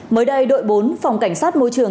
mới đây đội bốn phòng cảnh sát môi trường